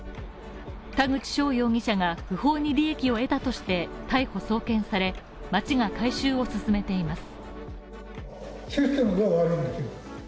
田口翔容疑者が不法に利益を得たとして、逮捕送検され町が回収を進めています。